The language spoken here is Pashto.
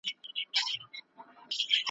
چي هرشی به یې وو لاس ته ورغلی !.